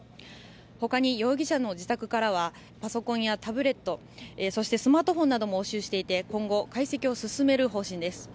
ほかに容疑者の自宅からはパソコンやタブレットそしてスマートフォンなども押収していて今後、解析を進める方針です。